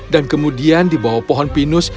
dan kemudian di bawah pohon pinus